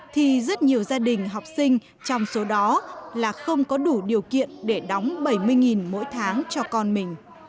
thì rất nhiều gia đình học sinh trong số đó là không có đủ điều kiện để đóng bảy mươi mỗi tháng cho con mình